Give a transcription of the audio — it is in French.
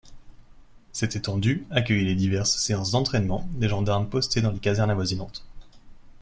Cette étendue accueillait les diverses séances d’entrainement des gendarmes postés dans les casernes avoisinantes.